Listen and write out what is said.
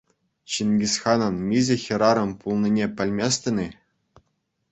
Чингисханӑн миҫе хӗрарӑм пулнине пӗлместӗн-и?